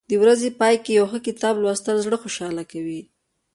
د ورځې په پای کې یو ښه کتاب لوستل زړه خوشحاله کوي.